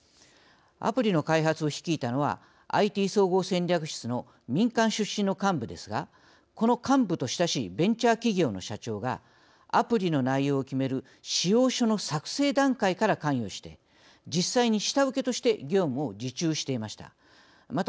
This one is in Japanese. アプリの開発を率いたのはＩＴ総合戦略室の民間出身の幹部ですがこの幹部と親しいベンチャー企業の社長がアプリの内容を決める仕様書の作成段階から関与して実際に、下請けとして業務を受注していました。